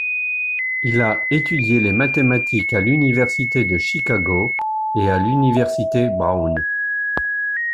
Il a étudié les mathématiques à l'université de Chicago et à l'université Brown.